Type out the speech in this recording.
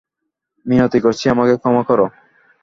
মিনতি করছি, আমাকে ক্ষমা কর।